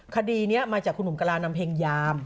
คดีนี้มาจากคุณหนุ่มกรานำเพลงยาม